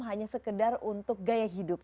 hanya sekedar untuk gaya hidup